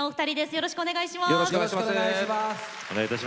よろしくお願いします。